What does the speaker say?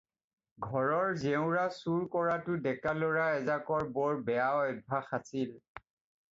ঘৰৰ জেউৰা চোৰ কৰাটো ডেকা ল'ৰা এজাকৰ বৰ বেয়া অভ্যাস আছিল।